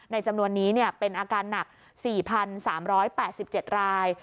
จำนวนนี้เป็นอาการหนัก๔๓๘๗ราย